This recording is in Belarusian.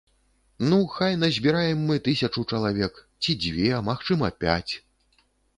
Ну, хай назбіраем мы тысячу чалавек, ці дзве, магчыма пяць.